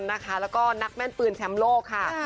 แล้วก็นักแม่นปืนแชมป์โลกค่ะ